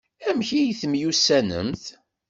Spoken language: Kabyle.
Amek ay temyussanemt?